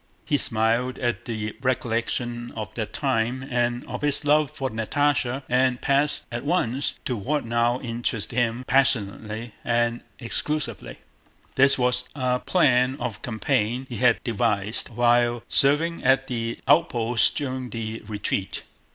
He smiled at the recollection of that time and of his love for Natásha, and passed at once to what now interested him passionately and exclusively. This was a plan of campaign he had devised while serving at the outposts during the retreat.